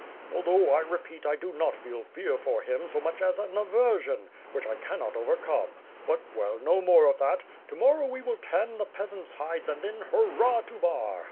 Although, I repeat, I do not feel fear for him so much as an aversion, which I cannot over come; but, well, no more of that! To morrow we will tan the peasant^s hides and then, hurrah, to Bar!